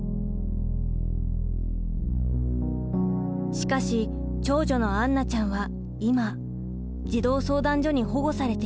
しかし長女の杏奈ちゃんは今児童相談所に保護されています。